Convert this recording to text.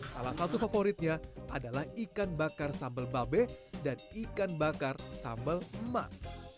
salah satu favoritnya adalah ikan bakar sambal babe dan ikan bakar sambal emak